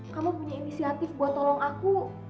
kamu punya inisiatif buat tolong aku